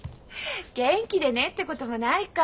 「元気でね」ってこともないか。